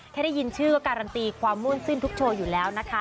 แค่ได้ยินชื่อก็การั่นตี้ความมูลสิ้นทุกโชอีกแล้วนะคะ